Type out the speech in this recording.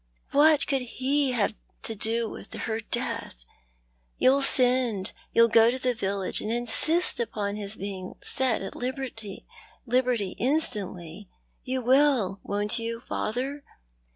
What could he have to do with her death? Youll send— you'll go to the village, and insist upon his being set at liberty instantly ? You will, wont you, father